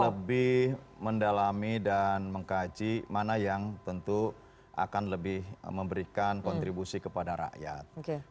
lebih mendalami dan mengkaji mana yang tentu akan lebih memberikan kontribusi kepada rakyat